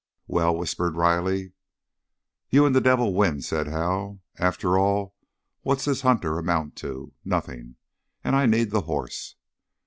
"Well?" whispered Riley. "You and the devil win," said Hal. "After all, what's this Hunter amount to? Nothing. And I need the horse!"